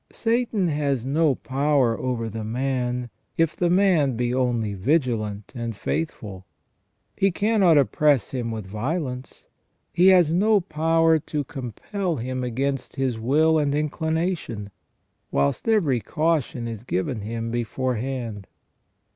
Satan has no power over the man, if the man be only vigilant and faithful. He cannot oppress him with violence ; he has no power to compel him against his will and inclination ; whilst every caution is given him beforehand.